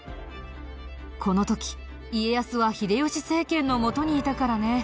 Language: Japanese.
この時家康は秀吉政権のもとにいたからね。